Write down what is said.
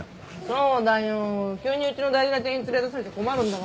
急にうちの大事な店員連れ出されちゃ困るんだからね。